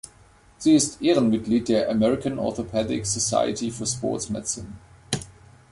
Sie ist Ehrenmitglied der "American Orthopaedic Society for Sports Medicine".